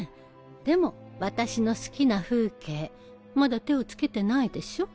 でも「私の好きな風景」まだ手を付けてないでしょ？